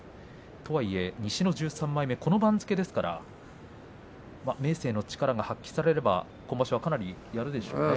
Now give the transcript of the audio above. とはいえ西の１３枚目この番付ですから明生の力が発揮されれば今場所かなりやるでしょうかね。